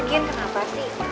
lagian kenapa sih